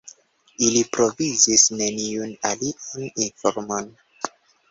Ili provizis neniun alian informon.